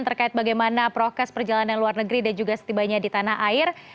terkait bagaimana prokes perjalanan luar negeri dan juga setibanya di tanah air